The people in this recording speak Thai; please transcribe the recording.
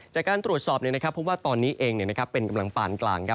จากการตรวจสอบเนี่ยนะครับก็ว่าตอนนี้เองนะครับเป็นกำลังป่านกลางครับ